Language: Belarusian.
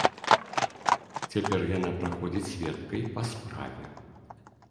Цяпер яна праходзіць сведкай па справе.